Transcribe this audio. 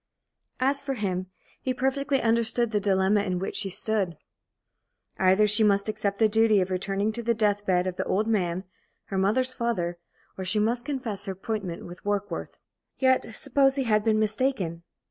As for him, he perfectly understood the dilemma in which she stood. Either she must accept the duty of returning to the death bed of the old man, her mother's father, or she must confess her appointment with Warkworth. Yet suppose he had been mistaken?